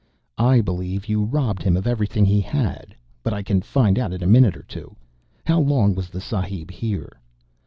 "I believe you robbed him of everything he had. But I can find out in a minute or two. How long was the Sahib here?"